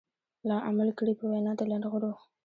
لا عمل کړي په وينا د لنډغرو.